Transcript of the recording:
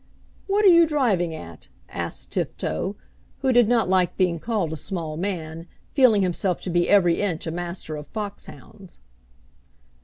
"What are you driving at?" asked Tifto, who did not like being called a small man, feeling himself to be every inch a Master of foxhounds.